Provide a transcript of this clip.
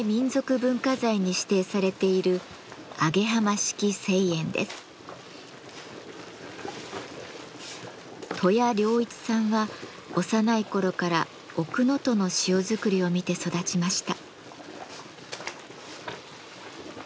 文化財に指定されている登谷良一さんは幼い頃から奥能登の塩作りを見て育ちました。